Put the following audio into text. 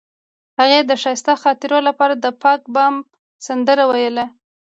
هغې د ښایسته خاطرو لپاره د پاک بام سندره ویله.